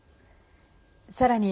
さらに、